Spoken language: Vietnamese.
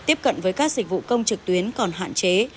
tiếp cận với các dịch vụ công trực tuyến còn hạn chế